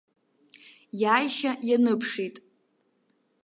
Иааишьа ианыԥшит.